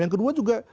yang kedua juga